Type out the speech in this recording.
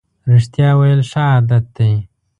رښتیا ویل ښه عادت دی.